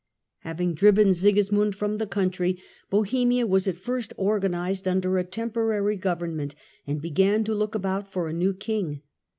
Having driven Sigismund from the country, Bohemia was at first organised under a temporary government, Korybut of and began to look about for a new King.